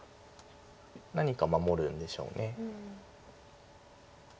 何か守るんでしょう。